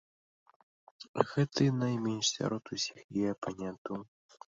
Гэты найменш сярод усіх яе апанентаў.